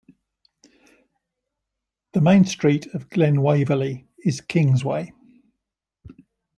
The main street of Glen Waverley is Kingsway.